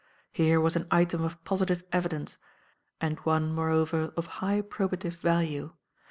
Here was an item of positive evidence, and one, moreover, of high probative value.